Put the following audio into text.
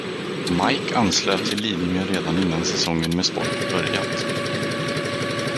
Mike anslöt till Lidingö redan innan säsongen med sport börjat.